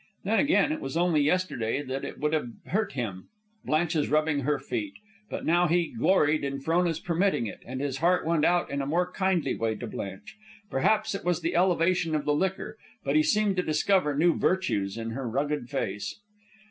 Then, again, it was only yesterday that it would have hurt him, Blanche's rubbing her feet; but now he gloried in Frona's permitting it, and his heart went out in a more kindly way to Blanche. Perhaps it was the elevation of the liquor, but he seemed to discover new virtues in her rugged face.